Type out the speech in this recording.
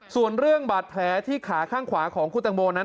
ส่วนเรื่องบาดแผลที่ขาข้างขวาของคุณตังโมนั้น